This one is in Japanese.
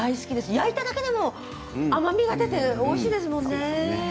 焼いただけでも甘みが出ておいしいですよね。